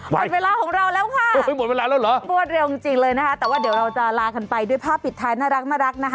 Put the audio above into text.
หมดเวลาของเราแล้วค่ะบวชเร็วจริงเลยนะคะแต่ว่าเดี๋ยวเราจะลากันไปด้วยภาพปิดท้ายน่ารักนะคะ